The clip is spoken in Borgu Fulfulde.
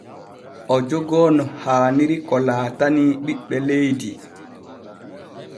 O jogoo no haaniri ko laatanii ɓiɓɓe leydi.